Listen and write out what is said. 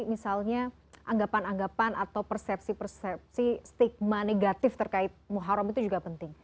misalnya anggapan anggapan atau persepsi persepsi stigma negatif terkait muharram itu juga penting